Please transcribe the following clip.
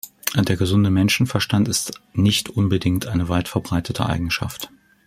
Der gesunde Menschenverstand ist nicht unbedingt eine weit verbreitete Eigenschaft.